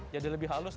jadi lebih halus